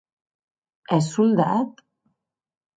Ès soldat?